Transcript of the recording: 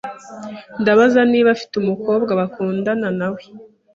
Ndabaza niba afite umukobwa bakundanawe.